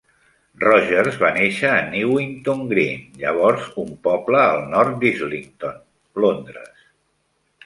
Rogers va néixer a Newington Green, llavors un poble al nord d'Islington, Londres.